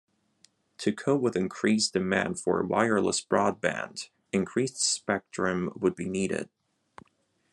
To cope with increased demand for wireless broadband, increased spectrum would be needed.